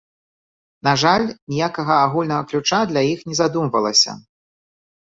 На жаль, ніякага агульнага ключа для іх не задумвалася.